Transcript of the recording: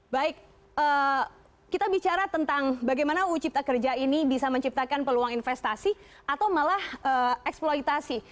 baik kita bicara tentang bagaimana uu cipta kerja ini bisa menciptakan peluang investasi atau malah eksploitasi